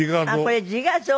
これ自画像。